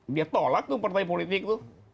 dia tolak tuh partai politik tuh